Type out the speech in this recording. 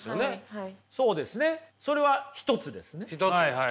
はい。